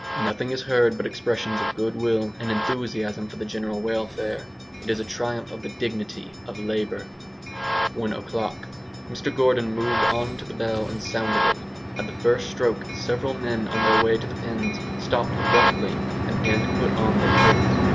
Nothing is heard but expressions of goodwill and enthusiasm for the general welfare. It is a triumph of the dignity of labour. One o'clock. Mr Gordon moved on to the bell and sounded it. At the first stroke several men on their way to the pens stopped abruptly and began to put on their coats.